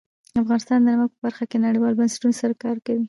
افغانستان د نمک په برخه کې نړیوالو بنسټونو سره کار کوي.